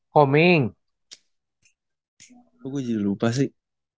kok gue jadi lupa sih